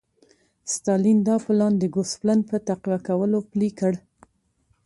ستالین دا پلان د ګوسپلن په تقویه کولو پلی کړ